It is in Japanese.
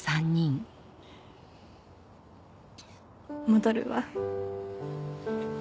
戻るわ。